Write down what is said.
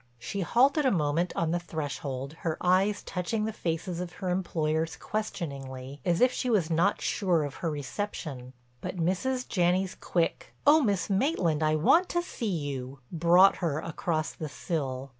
She halted a moment on the threshold, her eyes touching the faces of her employers questioningly, as if she was not sure of her reception. But Mrs. Janney's quick, "Oh, Miss Maitland, I want to see you," brought her across the sill.